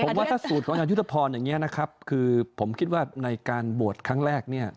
ผมว่าถ้าสูตรของอญานยุทธภรณ์อย่างนี้คือผมคิดว่าในการโบสถ์ครั้งแรก